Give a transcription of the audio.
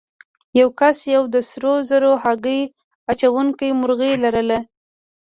یو کس یوه د سرو زرو هګۍ اچوونکې مرغۍ لرله.